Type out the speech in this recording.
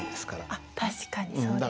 あっ確かにそうですね。